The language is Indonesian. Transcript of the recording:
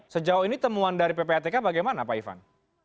sejauh ini temuan dari ppatk bagaimana pak ivan